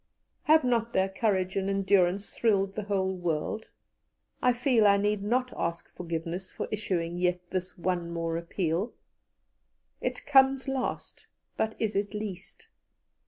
Have not their courage and endurance thrilled the whole world? I feel I need not ask forgiveness for issuing yet this one more appeal. It comes last, but is it least?